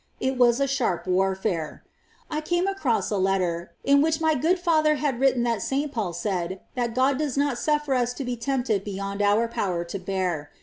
It was a sharp warfare. I came across a letter, in which my good father^ had written that S. Paul said that God does not suffer us to be tempted beyond our power to bear.